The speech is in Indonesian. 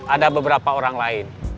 ada beberapa orang lain